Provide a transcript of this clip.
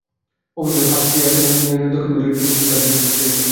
উপজেলার ফাঁসিয়াখালী ইউনিয়নের দক্ষিণ ঘুনিয়া এলাকার টিপু শুক্লা দাশের স্ত্রী তিনি।